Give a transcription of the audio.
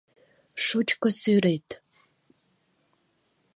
Шучко сӱрет.